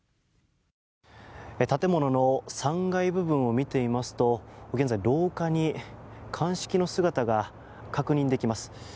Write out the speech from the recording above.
建物の３階部分を見てみますと現在、廊下に鑑識の姿が確認できます。